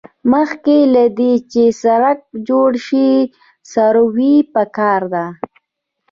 مخکې له دې چې سړک جوړ شي سروې پکار ده